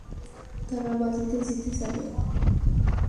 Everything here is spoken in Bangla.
তারা বাজিতে জিতে যাবে।